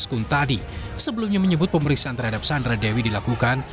sebelumnya menyebut pemeriksaan terhadap sandra dewi dilakukan